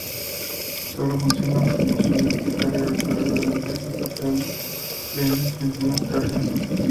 Sólo funcionan formaciones de carga, a cargo de la empresa estatal Trenes Argentinos Cargas.